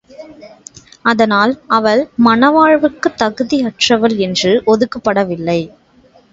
அதனால் அவள் மணவாழ்வுக்குத் தகுதி அற்றவள் என்று ஒதுக்கப்பட வில்லை.